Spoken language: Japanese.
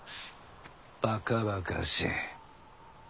ばかばかしい。